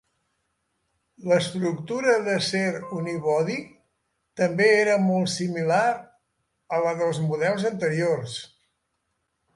L'estructura d'acer unibody també era molt similar a la dels models anteriors.